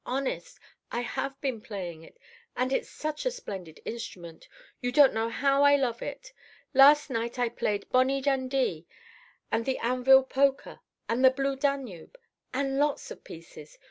Honest—I have been playing it. And it's such a splendid instrument, you don't know how I love it. Last night I played "Bonnie Dundee" and the "Anvil Polka" and the "Blue Danube"—and lots of pieces.